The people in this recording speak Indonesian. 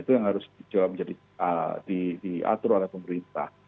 itu yang harus diatur oleh pemerintah